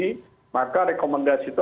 penuhi maka rekomendasi itu